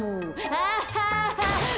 アハハ。